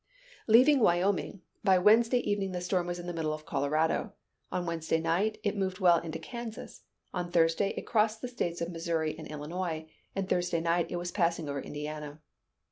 Leaving Wyoming, by Wednesday evening the storm was in the middle of Colorado; on Wednesday night, it moved well into Kansas; on Thursday, it crossed States of Missouri and Illinois, and Thursday night it was passing over Indiana.